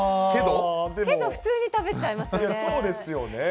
けど普通に食べちゃいますよね。